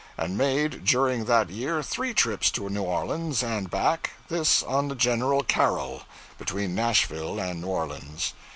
and made during that year three trips to New Orleans and back this on the "Gen. Carrol," between Nashville and New Orleans.